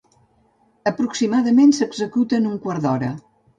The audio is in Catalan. Aproximadament s'executa en un quart d'hora.